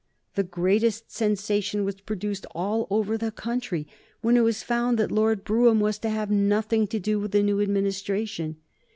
The greatest sensation was produced all over the country when it was found that Lord Brougham was to have nothing to do with the new Administration.